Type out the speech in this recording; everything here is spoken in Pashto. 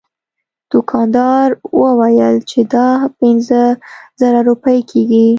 دوکاندار وویل چې دا پنځه زره روپۍ کیږي.